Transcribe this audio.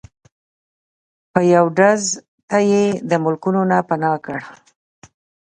په یو ډز ته یی د ملکونو نه پناه کړل